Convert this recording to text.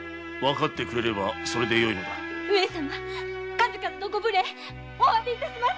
数々のご無礼お詫び致します。